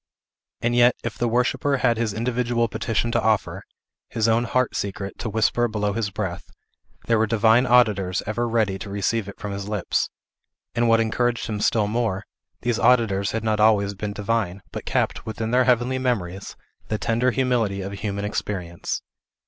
And yet, if the worshipper had his individual petition to offer, his own heart secret to whisper below his breath, there were divine auditors ever ready to receive it from his lips; and what encouraged him still more, these auditors had not always been divine, but kept, within their heavenly memories, the tender humility of a human experience.